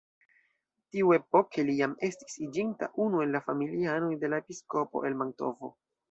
Tiuepoke li jam estis iĝinta unu el la familianoj de la episkopo el Mantovo.